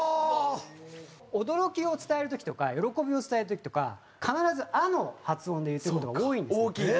驚きを伝える時とか喜びを伝える時とか必ず「あ」の発音で言ってることが多いんですね。